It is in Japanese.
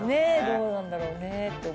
どうなんだろうねって。